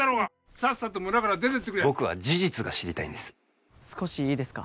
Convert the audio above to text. さっさと村から出てってくれ僕は事実が知りたいんです少しいいですか？